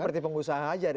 seperti pengusaha aja ya